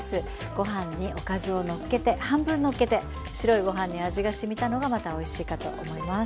ご飯におかずをのっけて半分のっけて白いご飯に味がしみたのがまたおいしいかと思います。